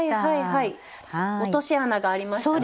落とし穴がありましたね。